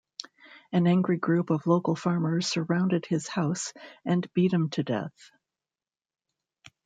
An angry group of local farmers surrounded his house and beat him to death.